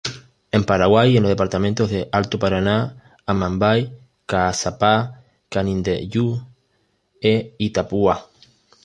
En Paraguay en los departamentos de: Alto Paraná, Amambay, Caazapá, Canindeyú, e Itapúa.